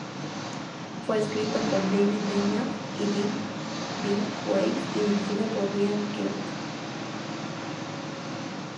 Fue escrito por David Benioff y D. B. Weiss, y dirigido por Brian Kirk.